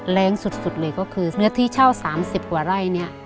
แรงสุดเลยก็คือเนื้อที่เช่า๓๐กว่าไร่เนี่ย